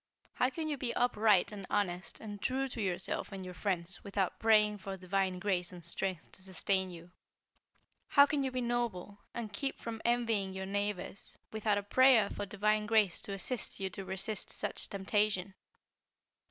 How can you be upright, and honest, and true to yourselves and your friends without praying for divine grace and strength to sustain you? How can you be noble, and keep from envying your neighbors, without a prayer for divine grace to assist you to resist such temptation?"